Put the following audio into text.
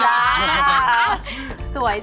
เอานี่นะ